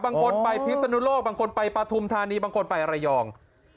บางคนไปพิศนุโลกบางคนไปปฐุมธานีบางคนไประยอง